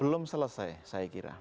belum selesai saya kira